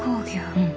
うん。